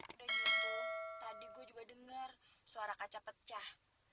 udah gitu tadi gue juga dengar suara kaca pecah